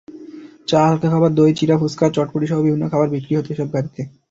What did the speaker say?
চা, হালকা খাবার, দই-চিড়া, ফুচকা, চটপটিসহ বিভিন্ন খাবার বিক্রি হতো এসব গাড়িতে।